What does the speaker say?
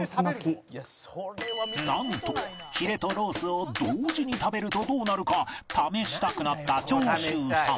なんとヒレとロースを同時に食べるとどうなるか試したくなった長州さん